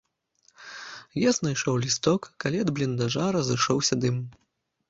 Я знайшоў лісток, калі ад бліндажа разышоўся дым.